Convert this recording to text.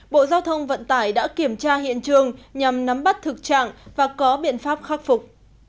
bộ giao thông vận tải đã kiểm tra hiện trường nhằm nắm bắt thực trạng và có biện pháp khắc phục